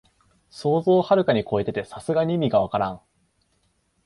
想像をはるかにこえてて、さすがに意味がわからん